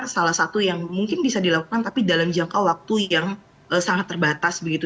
salah satu yang mungkin bisa dilakukan tapi dalam jangka waktu yang sangat terbatas begitu